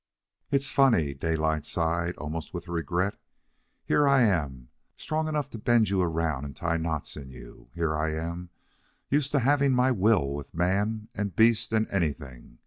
"It's funny," Daylight sighed, almost with regret; "here I am, strong enough to bend you around and tie knots in you. Here I am, used to having my will with man and beast and anything.